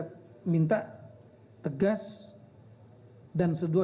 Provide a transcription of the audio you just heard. tegas untuk melakukan tindakan sesuai pasal lima belas